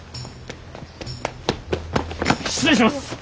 失礼します！